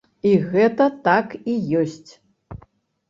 І гэта так і ёсць.